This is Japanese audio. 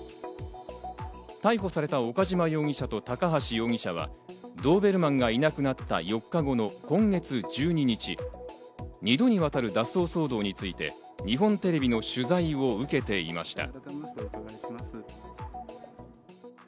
逮捕された岡島容疑者と高橋容疑者はドーベルマンがいなくなった４日後の今月１２日、二度にわたる脱走騒動について、日本テレビの取材を受けていました。